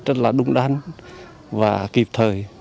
rất là đúng đắn và kịp thời